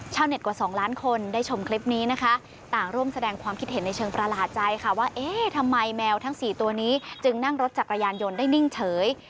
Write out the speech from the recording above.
เต็ดกว่า๒ล้านคนได้ชมคลิปนี้นะคะต่างร่วมแสดงความคิดเห็นในเชิงประหลาดใจค่ะว่าเอ๊ะทำไมแมวทั้ง๔ตัวนี้จึงนั่งรถจักรยานยนต์ได้นิ่งเฉย